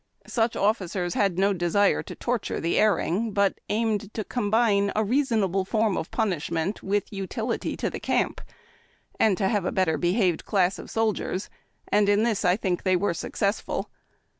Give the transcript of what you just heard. Such officers had no desire to torture the erring, 146 HARD TACK AND COFFEE. but aimed to combine a reasonable form of punishment with utility to the camp and to the better behaved class of sol diers, and in this I think they were successful.